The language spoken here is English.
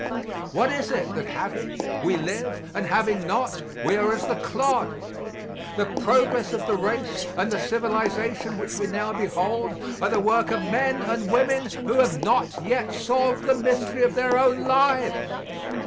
What is it that, having, we live, and having not, we are as the clod? The progress of the race and the civilization which we now behold are the work of men and women who have not yet solved the mystery of their own lives.